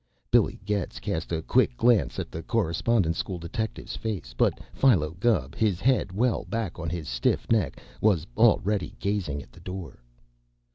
Billy Getz cast a quick glance at the Correspondence School detective's face, but Philo Gubb, his head well back on his stiff neck, was already gazing at the door.